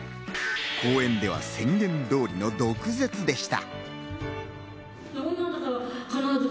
講演では宣言通りの毒舌でした。